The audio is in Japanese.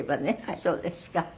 そうですか。